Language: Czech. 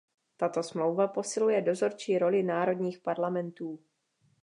Tato smlouva posiluje dozorčí roli národních parlamentů.